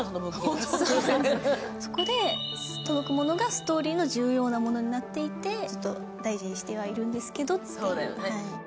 そこで届くものがストーリーの重要なものになって大事にしてはいるんですけどっていう。